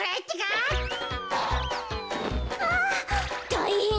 たいへん！